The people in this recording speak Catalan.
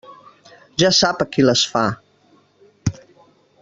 Ja sap a qui les fa.